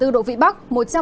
hai mươi một bốn độ vị bắc